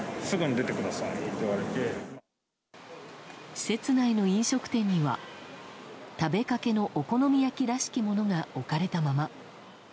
施設内の飲食店には食べかけのお好み焼きらしきものが置かれたまま。